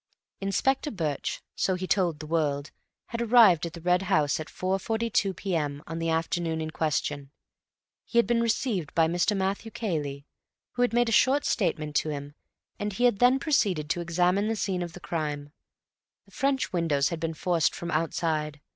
Inspector Birch, so he told the world, had arrived at the Red House at 4.42 p.m. on the afternoon in question. He had been received by Mr. Matthew Cayley, who had made a short statement to him, and he had then proceeded to examine the scene of the crime. The French windows had been forced from outside.